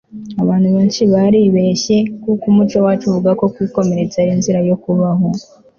abantu benshi baribeshye kuko umuco wacu uvuga ko kwikomeretsa ari inzira yo kubaho